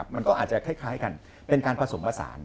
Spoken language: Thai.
มันก็อาจจะคล้ายกันเป็นการผสมผสาน